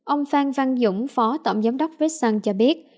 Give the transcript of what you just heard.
ông phan văn dũng phó tổng giám đốc phết săn cho biết